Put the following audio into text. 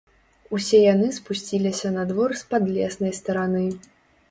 Усе яны спусціліся на двор з падлеснай стараны.